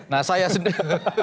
nah saya sendiri